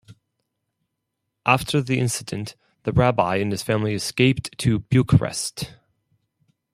After the incident, the Rabbi and his family escaped to Bucharest.